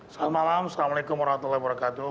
selamat malam assalamualaikum wr wb